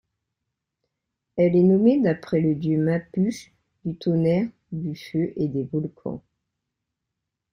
Elle est nommée d'après le dieu mapuche du tonnerre, du feu, et des volcans.